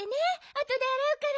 あとであらうから。